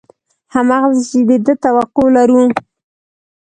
همغسې چې د دې توقع لرو